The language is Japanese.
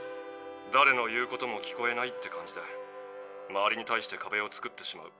だれの言うことも聞こえないって感じで周りに対してかべをつくってしまう。